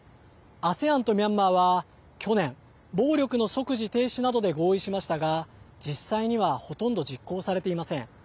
ＡＳＥＡＮとミャンマーは去年暴力の即時停止などで合意しましたが実際にはほとんど実行されていません。